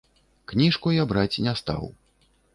Кніжку я браць не стаў.